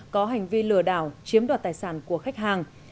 có hành vi lừa đảo chiếm đoạt tài sản của khách hàng